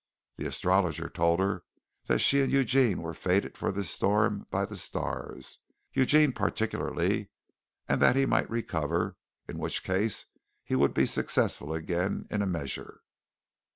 The astrologer told her that she and Eugene were fated for this storm by the stars Eugene, particularly, and that he might recover, in which case, he would be successful again in a measure.